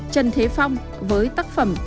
trần thế phong với tác phẩm